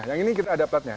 nah yang ini ada platnya